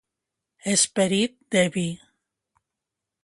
Esperit de vi.